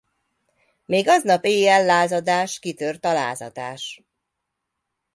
Még aznap éjjel lázadás kitört a lázadás.